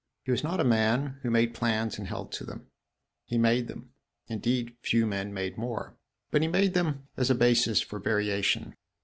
He was not a man who made plans and held to them. He made them, indeed few men made more but he made them as a basis for variation.